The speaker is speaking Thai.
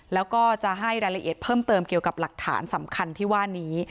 แล้วก็จะให้รายละเอียดเพิ่มเติมเกี่ยวกับหลักฐานสำคัญที่ว่านี้